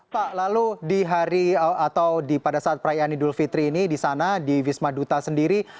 pak lalu di hari atau pada saat perayaan idul fitri ini di sana di wisma duta sendiri